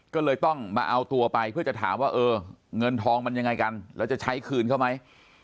ก็เลยต้องมาเอาตัวไปเพื่อจะถามว่าเออเงินทองมันยังไงกันแล้วจะใช้คืนเขาไหม